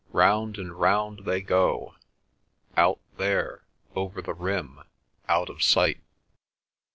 Round and round they go—out there, over the rim—out of sight."